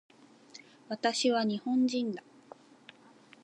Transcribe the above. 私は日本人だ